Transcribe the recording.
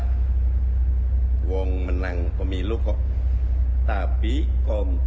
pemerintah wong menang pemilu kok